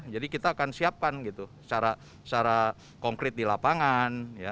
jadi kita akan siapkan secara konkret di lapangan